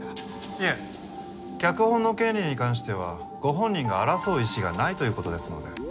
いえ脚本の権利に関してはご本人が争う意思がないという事ですので。